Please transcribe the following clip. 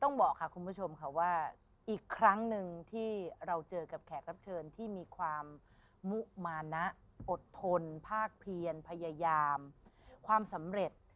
บอกค่ะคุณผู้ชมค่ะว่าอีกครั้งหนึ่งที่เราเจอกับแขกรับเชิญที่มีความมุมานะอดทนภาคเพียนพยายามความสำเร็จ